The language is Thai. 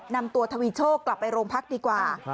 นำตัวทวีดโชคกลับไปโรงพักภนัฐนิคมดีกว่า